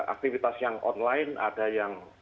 aktivitas yang online ada yang